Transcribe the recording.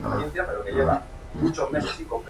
Sus llamados son unos repetidos silbidos agudos.